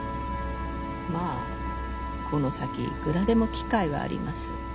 まあこの先いくらでも機会はあります